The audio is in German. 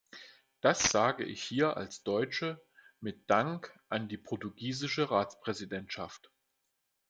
Das sage ich hier als Deutsche mit Dank an die portugiesische Ratspräsidentschaft.